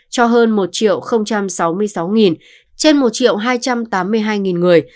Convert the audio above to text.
cho hơn một sáu mươi sáu trên một hai trăm tám mươi hai người